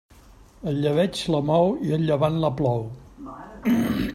El llebeig la mou i el llevant la plou.